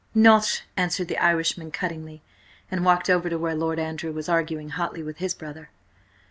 "Nought," answered the Irishman cuttingly, and walked over to where Lord Andrew was arguing hotly with his brother.